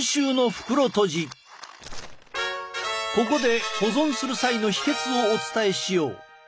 ここで保存する際の秘けつをお伝えしよう。